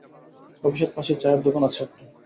অফিসের পাশেই চায়ের দোকান আছে একটা।